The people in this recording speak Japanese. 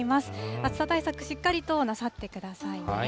暑さ対策、しっかりとなさってくださいね。